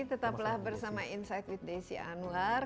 tetaplah bersama insight with desi anwar